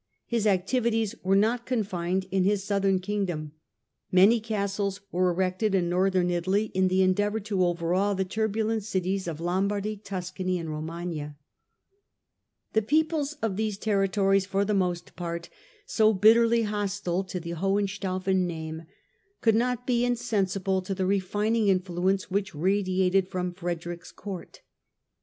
His activities were not confined to his Southern Kingdom : many castles were erected in Northern Italy, in the endeavour to overawe the turbulent cities of Lombardy, Tuscany and Romagna. The peoples of these territories, for the most part so bitterly hostile to the Hohenstaufen name, could not be insensible to the refining influence which radiated from Frederick's Court.